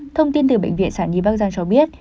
thông tin từ bệnh viện sản nhi bắc giang cho biết